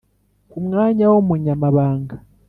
Ku mwanya w umunyamabanga